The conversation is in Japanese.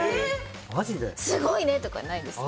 すごいね！とかはないです。